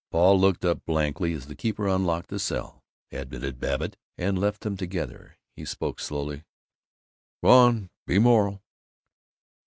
Paul looked up blankly as the keeper unlocked the cell, admitted Babbitt, and left them together. He spoke slowly: "Go on! Be moral!"